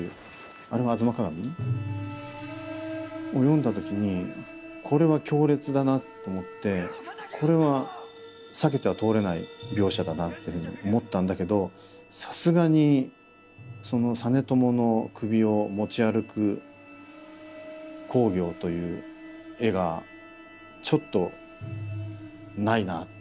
あれは「吾妻鏡」を読んだ時にこれは強烈だなと思ってこれは避けては通れない描写だなっていうふうに思ったんだけどさすがにその実朝の首を持ち歩く公暁という絵がちょっとないなっていう気がして。